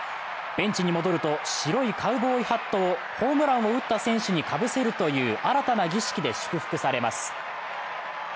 ベンチに戻ると白いカウボーイハットをホームランを打った選手にかぶせるという新たな儀式で祝福されます。